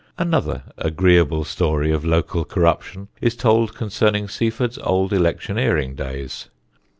Another agreeable story of local corruption is told concerning Seaford's old electioneering days.